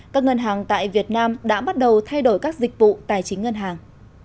các ngân hàng tại việt nam đã bắt đầu thay đổi các dịch vụ tài chính ngân hàng